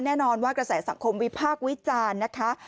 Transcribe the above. แน่นอนว่ากระแสสังคมวิพากษ์วิจารณ์นะคะ